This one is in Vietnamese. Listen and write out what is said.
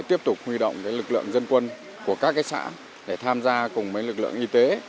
tiếp tục huy động lực lượng dân quân của các xã để tham gia cùng với lực lượng y tế